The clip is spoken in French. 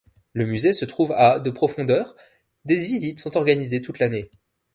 Le musée se trouve à de profondeur, des visites sont organisées toute l'année.